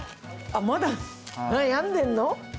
まだ悩んでんの？